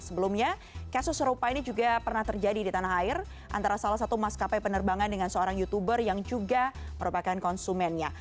sebelumnya kasus serupa ini juga pernah terjadi di tanah air antara salah satu maskapai penerbangan dengan seorang youtuber yang juga merupakan konsumennya